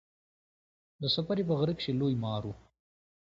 د سپرې په غره کښي لوی مار و.